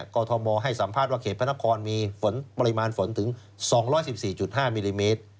กรทมให้สัมภาษณ์ว่าเขตพระนครมีปริมาณฝนถึง๒๑๔๕มิลลิเมตร